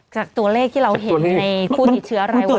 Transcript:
จากตัวเลขที่เราเห็นในคู่ถือเชื้อรายวันต่าง